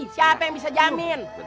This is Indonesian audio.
siapa yang bisa jamin